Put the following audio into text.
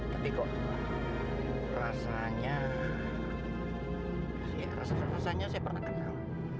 tapi kok rasanya rasa rasanya saya pernah kenal